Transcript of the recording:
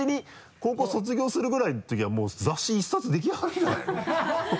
高校卒業するぐらいのときにはもう雑誌１冊できあがるんじゃないの？